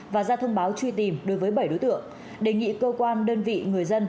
và ra thông báo truy tìm đối với bảy đối tượng đề nghị cơ quan đơn vị người dân